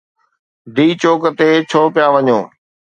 D Chowk تي ڇو پيا وڃو؟